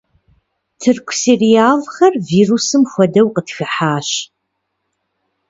Тырку сериалхэр вирусым хуэдэу къытхыхьащ.